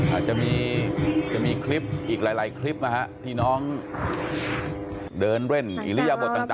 อาจจะมีจะมีคลิปอีกหลายคลิปไหมฮะที่น้องเดินเล่นอะ